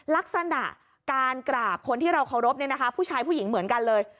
ลักษณะการกราบคนที่เราเคารพผู้ชายผู้หญิงเหมือนกันเลย